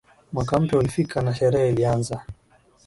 Mwaka mpya ulifika na sherehe ilianza